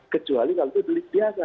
kecuali kalau itu delik biasa